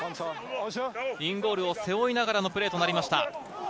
インゴールを背負いながらのプレーとなりました。